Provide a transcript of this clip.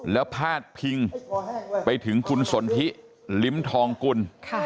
แล้วพาดพิงไปถึงคุณสนทิลิ้มทองกุล